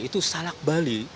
itu salak bali